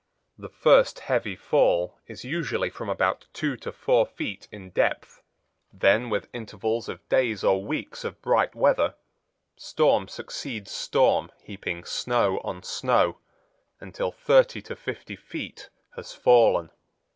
The first heavy fall is usually from about two to four feet in depth then with intervals of days or weeks of bright weather storm succeeds storm, heaping snow on snow, until thirty to fifty feet has fallen.